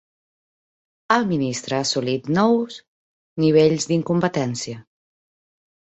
El ministre ha assolit nous nivells d'incompetència.